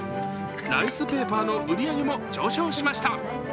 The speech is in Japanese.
ライスペーパーの売り上げも上昇しました。